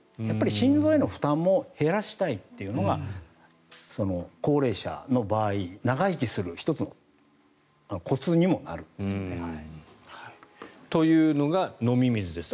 心臓への負担も減らしたいというのが高齢者の場合、長生きする１つのコツにもなるんですよね。というのが飲み水です。